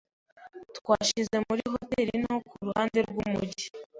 Twashize muri hoteri nto kuruhande rwumujyi.